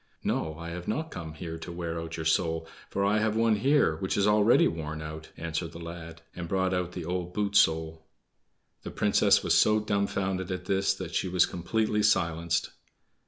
"No, I have not come here to wear out your soul, for I have one here which is already worn out," answered the lad, and brought out the old boot sole. The Princess was so dumfounded at this that she was completely silenced.